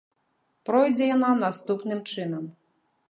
Пройдзе яна наступным чынам.